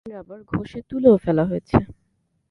কিছু line rubber ঘষে তুলেও ফেলা হয়েছে।